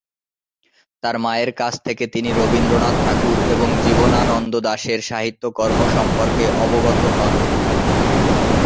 তার মায়ের কাছ থেকে তিনি রবীন্দ্রনাথ ঠাকুর এবং জীবনানন্দ দাশের সাহিত্য কর্ম সম্পর্কে অবগত হন।